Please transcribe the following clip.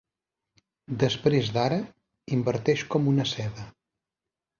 Després d'ara, inverteix com una seda.